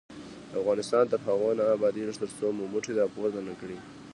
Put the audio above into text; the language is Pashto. افغانستان تر هغو نه ابادیږي، ترڅو مو مټې راپورته نه کړي.